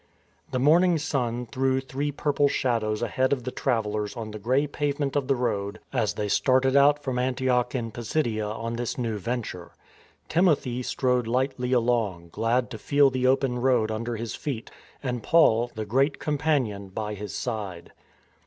The morning sun threw three purple shadows ahead of the travellers on the grey pavement of the road as they started out from Antioch in Pisidia on this new venture. Timothy strode lightly along, glad to feel the open road under his feet, and Paul, the great companion, by his side.